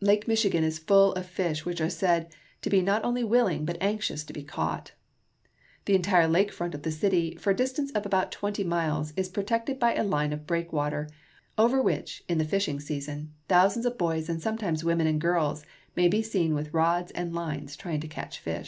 Lake Michi gan is full of fish which are said to be not only willing, but anxious, to be caught. The entire lake front of the city, for a distance of about twenty miles, is protected by a line of breakwater, over which, in the fishing season, thousands of boys and sometimes women and girls may be seen with rods and lines trying to catch fish.